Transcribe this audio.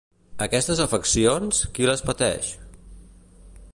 Aquestes afeccions, qui les pateix?